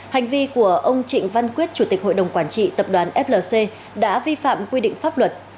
hành vi của ông trịnh văn quyết chủ tịch hội đồng quản trị tập đoàn flc đã vi phạm quy định pháp luật